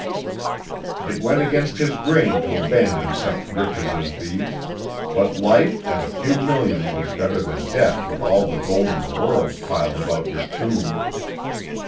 It went against his grain to abandon such riches as these, but life and a few million was better than death with all the gold in the world piled about your tomb.